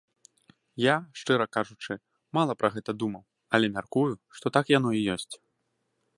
Я, шчыра кажучы, мала пра гэта думаў, але мяркую, што так яно і ёсць.